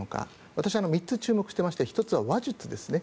私は３つ注目してまして１つは話術ですね。